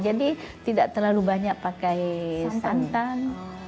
jadi tidak terlalu banyak pakai santan